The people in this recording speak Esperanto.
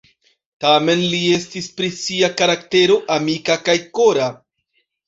Tamen li estis pri sia karaktero amika kaj kora.